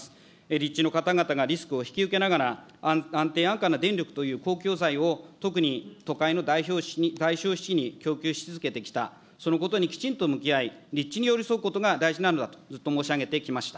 立地の方々がリスクを引き受けながら、安定安価な電力という公共財を、特に都会の大消費地に供給し続けてきた、そのことにきちんと向き合い、立地に寄り添うことが大事だと考えてきました。